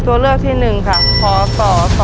ตัวเลือดที่๑พศ๒๕๔๕